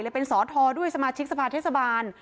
เป็นสอทรด้วยสมาชิกสภาเทศบาล